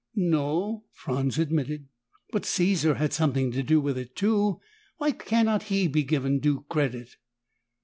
"No," Franz admitted, "but Caesar had something to do with it, too. Why cannot he be given due credit?"